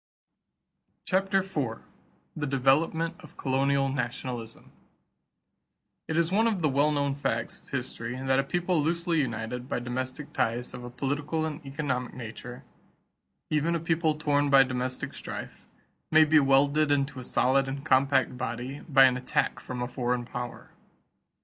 CHAPTER IV THE DEVELOPMENT OF COLONIAL NATIONALISM It is one of the well known facts of history that a people loosely united by domestic ties of a political and economic nature, even a people torn by domestic strife, may be welded into a solid and compact body by an attack from a foreign power.